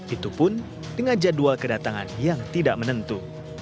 itu pun dengan jadwal kedatangan yang tidak menentu